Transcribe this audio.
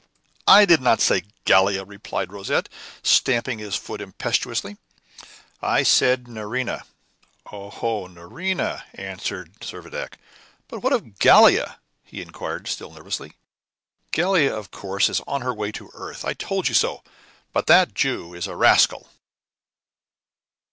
"I did not say Gallia," replied Rosette, stamping his foot impetuously; "I said Nerina." "Oh, Nerina," answered Servadac. "But what of Gallia?" he inquired, still nervously. "Gallia, of course, is on her way to the earth. I told you so. But that Jew is a rascal!"